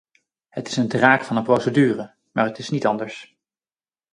Het is een draak van een procedure, maar het is niet anders.